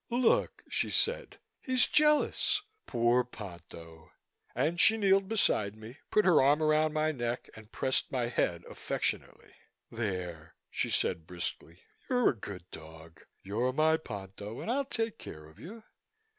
"Look," she said, "he's jealous. Poor Ponto!" And she kneeled beside me, put her arm around my neck and pressed my head affectionately. "There!" she said briskly. "You're a good dog. You're my Ponto and I'll take care of you."